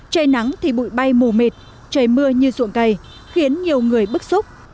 trời nắng thì bụi bay mù mệt trời mưa như ruộng cây khiến nhiều người bức xúc